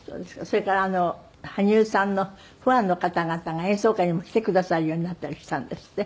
それから羽生さんのファンの方々が演奏会にも来てくださるようになったりしたんですって？